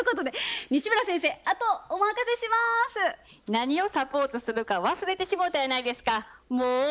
何をサポートするか忘れてしもうたやないですかモー。